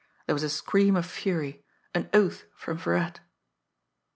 There was a scream of fury, an oath from Virat.